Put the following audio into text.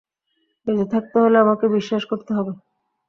বেঁচে থাকতে হলে আমাকে বিশ্বাস করতে হবে।